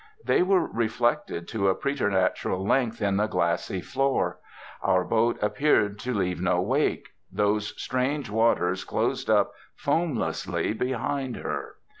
They were reflected to a preternatural length in the glassy floor. Our boat appeared to leave no wake; those strange waters closed up foamlessly behind her.